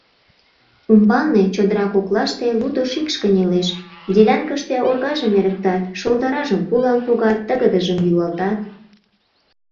Умбалне, чодыра коклаште, лудо шикш кынелеш, — делянкыште оргажым эрыктат, шолдыражым пулан погат, тыгыдыжым йӱлалтат.